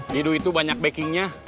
didu itu banyak backingnya